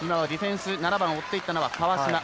ディフェンス、７番追っていったのは川島。